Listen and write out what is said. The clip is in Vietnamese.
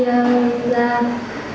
vì là tôi làm liều